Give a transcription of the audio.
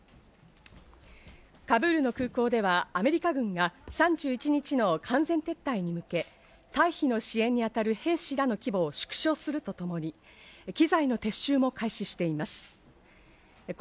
カブールの空港ではアメリカ軍が３１日の完全撤退に向け、退避の支援にあたる兵士らの規模を縮小するとともに機材の撤収も開始しています。